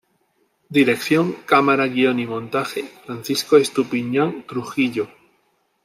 Dirección, Cámara, Guion y Montaje: Francisco Estupiñán Trujillo